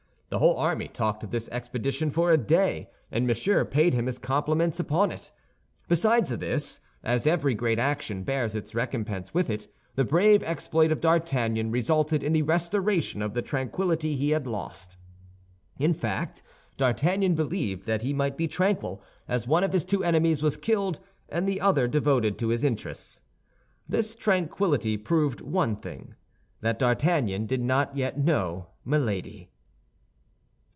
The whole army talked of this expedition for a day, and Monsieur paid him his compliments upon it. Besides this, as every great action bears its recompense with it, the brave exploit of D'Artagnan resulted in the restoration of the tranquility he had lost. In fact, D'Artagnan believed that he might be tranquil, as one of his two enemies was killed and the other devoted to his interests. This tranquillity proved one thing—that D'Artagnan did not yet know Milady.